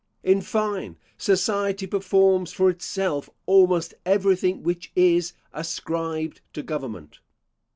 In fine, society performs for itself almost everything which is ascribed to government.